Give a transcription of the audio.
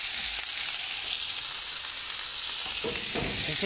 先生